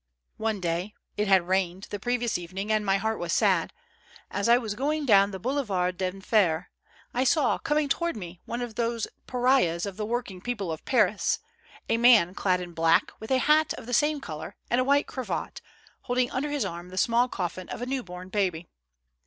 One day — it had rained the previous evening, and my heart was sad, — as I was going down the Boulevard d'Enfer, I saw coming towards me one of those pariahs of the working people of Paris, a man clad in black, with a hat of the same color and a white cravat, hold ing under his arm the small coffin of a new born baby.